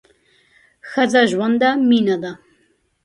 ښځه ژوند ده ، مینه ده